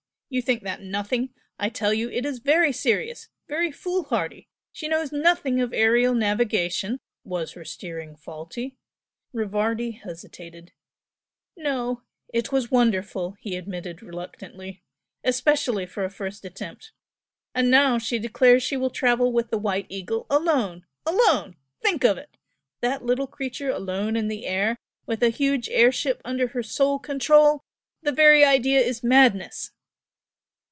You think that nothing? I tell you it is very serious very foolhardy. She knows nothing of aerial navigation " "Was her steering faulty?" Rivardi hesitated. "No, it was wonderful" he admitted, reluctantly; "Especially for a first attempt. And now she declares she will travel with the 'White Eagle' alone! Alone! Think of it! That little creature alone in the air with a huge air ship under her sole control! The very idea is madness!"